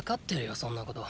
そんなこと！